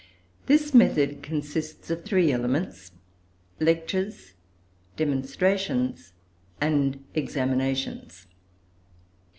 This method consists of three elements lectures, demonstrations, and examinations.